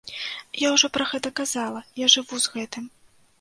Я ўжо пра гэта казала, я жыву з гэтым.